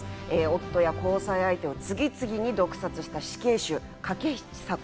夫や交際相手を次々に毒殺した死刑囚・筧千佐子。